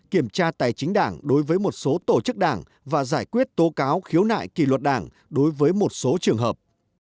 kiểm tra tài chính đảng đối với một số tổ chức đảng và giải quyết tố cáo khiếu nại kỳ luật đảng đối với một số trường hợp